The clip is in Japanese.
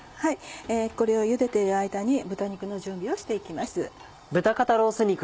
これをゆでている間に豚肉の準備をして行きます。